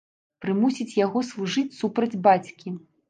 Прымусіць яго служыць супроць бацькі.